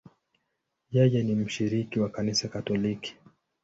Yeye ni mshiriki wa Kanisa Katoliki.